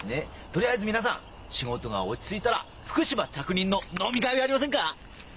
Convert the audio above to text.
とりあえず皆さん仕事が落ち着いたら福島着任の飲み会をやりませんか？